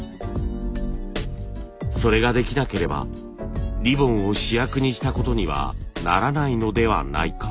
それができなければリボンを主役にしたことにはならないのではないか。